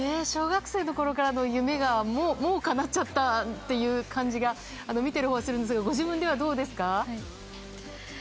小学生のころからの夢がもうかなっちゃったっていう感じが見ているほうはするんですがご自分ではどうですか？